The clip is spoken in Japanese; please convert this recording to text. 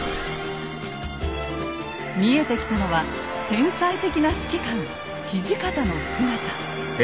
見えてきたのは天才的な指揮官土方の姿。